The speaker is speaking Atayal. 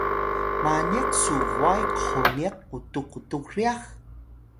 maniq su bway qhoniq qutux qutux ryax?